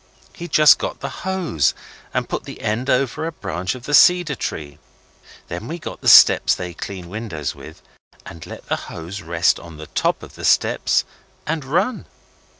He just got the hose and put the end over a branch of the cedar tree. Then we got the steps they clean windows with, and let the hose rest on the top of the steps and run.